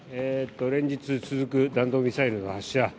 連日続く弾道ミサイルの発射